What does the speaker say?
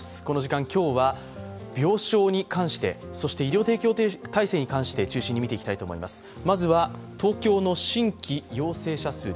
この時間、今日は病床に関して、そして医療提供体制に関して中心に見ていきたいと思います。